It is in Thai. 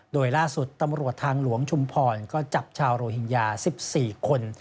โดยล่าสุดตำรวจทางหลวงชุมพรก็จับชาวโรฮิงญา๑๔คน